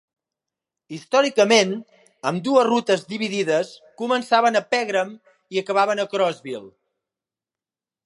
Històricament, ambdues rutes dividides començaven a Pegram i acabaven a Crossville.